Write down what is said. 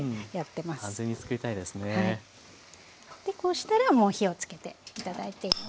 でこうしたらもう火をつけて頂いて。